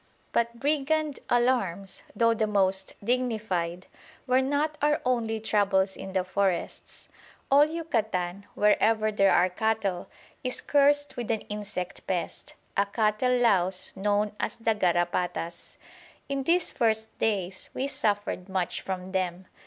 But brigand alarms, though the most dignified, were not our only troubles in the forests. All Yucatan, wherever there are cattle, is cursed with an insect pest a cattle louse known as the garrapatas. In these first days we suffered much from them.